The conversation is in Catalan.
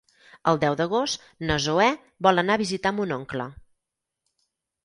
El deu d'agost na Zoè vol anar a visitar mon oncle.